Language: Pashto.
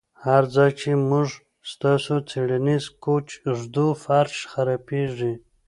هر ځای چې موږ ستاسو څیړنیز کوچ ږدو فرش خرابیږي